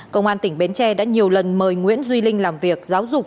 công an tỉnh bến tre đã nhiều lần mời nguyễn duy linh làm việc giáo dục